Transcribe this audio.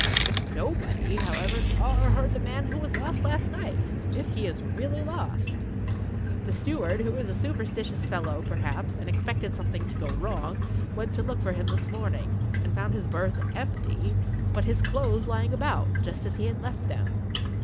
Nobody, however, saw or heard the man who was lost last night—if he is really lost. The steward, who is a superstitious fellow, perhaps, and expected something to go wrong, went to look for him this morning, and found his berth empty, but his clothes lying about, just as he had left them.